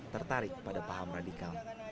tertarik pada paham radikal